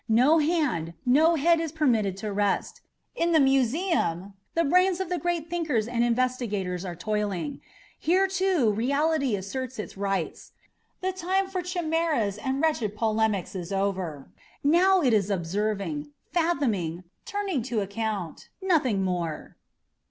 No hand, no head is permitted to rest. In the Museum the brains of the great thinkers and investigators are toiling. Here, too, reality asserts its rights. The time for chimeras and wretched polemics is over. Now it is observing, fathoming, turning to account, nothing more!"